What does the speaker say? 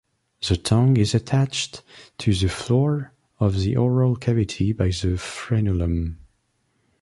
The tongue is attached to the floor of the oral cavity by the frenulum.